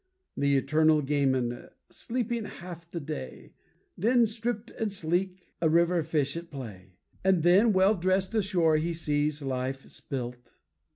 The eternal gamin, sleeping half the day, Then stripped and sleek, a river fish at play. And then well dressed, ashore, he sees life spilt.